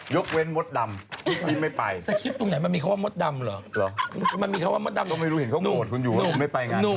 ยกเว้นมดดัมทุกที่ไม่ไป